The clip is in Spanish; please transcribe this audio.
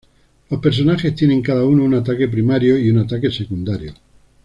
Los personajes tienen cada uno un ataque primario, y un ataque secundario.